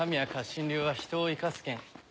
心流は人を活かす剣。